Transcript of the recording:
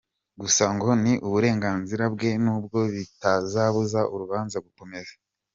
Gusa ngo ni uburenganzira bwe nubwo bitabuza urubanza gukomeza.